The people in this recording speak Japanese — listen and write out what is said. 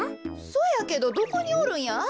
そやけどどこにおるんや？